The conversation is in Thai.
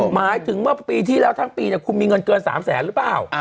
หมายถึงว่าปีที่แล้วทั้งปีเนี่ยคุณมีเงินเกิน๓แสนบาทหรือเปล่า